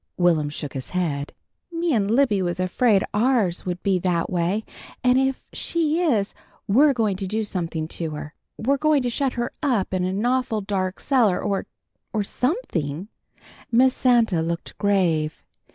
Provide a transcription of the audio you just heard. Will'm shook his head. "Me an' Libby was afraid ours would be that way, and if she is we're going to do something to her. We're going to shut her up in a nawful dark cellar, or or something." Miss Santa looked grave.